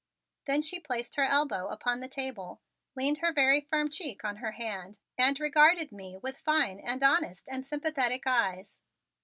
Then she placed her elbow upon the table, leaned her very firm cheek on her hand, and regarded me with fine and honest and sympathetic eyes.